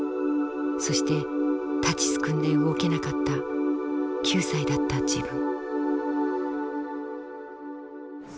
そして立ちすくんで動けなかった９歳だった自分。